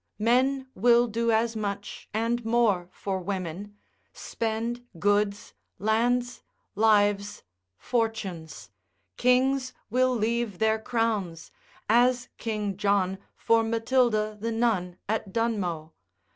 Men will do as much and more for women, spend goods, lands, lives, fortunes; kings will leave their crowns, as King John for Matilda the nun at Dunmow.